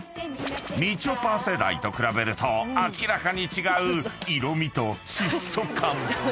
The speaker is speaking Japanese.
［みちょぱ世代と比べると明らかに違う色みと質素感］